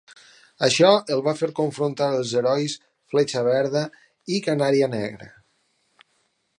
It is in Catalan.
Això el va fer confrontar els herois Fletxa Verda i Canària Negra.